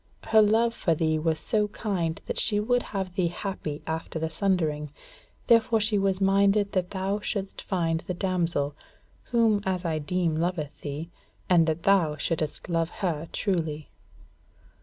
Her love for thee was so kind that she would have thee happy after the sundering: therefore she was minded that thou shouldest find the damsel, who as I deem loveth thee, and that thou shouldest love her truly."